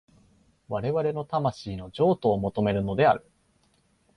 我々の魂の譲渡を求めるのである。